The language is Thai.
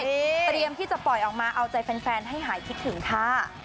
เตรียมที่จะปล่อยออกมาเอาใจแฟนให้หายคิดถึงค่ะ